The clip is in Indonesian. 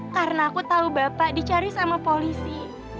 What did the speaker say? karena aku tau bapak dicari sama polisi